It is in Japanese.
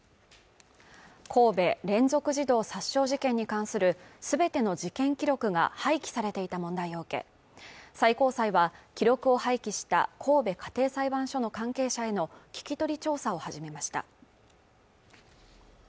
神戸連続児童殺傷事件に関するすべての事件記録が廃棄されていた問題を受け最高裁は記録を廃棄した神戸家庭裁判所の関係者への聞き取り調査を始めました